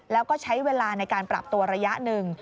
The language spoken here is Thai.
แล้วก็ใช้เวลาในการปรับตัวระยะหนึ่ง